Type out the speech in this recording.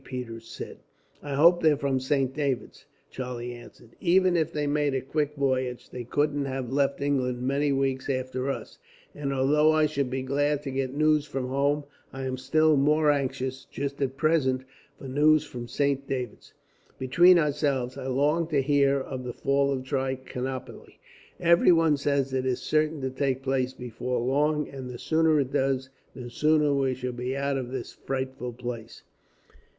Peters said. "I hope they're from Saint David's," Charlie answered. "Even if they made a quick voyage, they couldn't have left England many weeks after us; and although I should be glad to get news from home, I am still more anxious, just at present, for news from Saint David's. Between ourselves, I long to hear of the fall of Trichinopoli. Everyone says it is certain to take place before long, and the sooner it does, the sooner we shall be out of this frightful place."